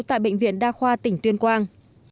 tại bệnh viện đa khoa tỉnh tuyên quang